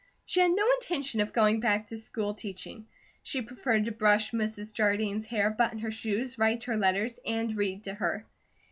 She had no intention of going back to school teaching. She preferred to brush Mrs. Jardine's hair, button her shoes, write her letters, and read to her.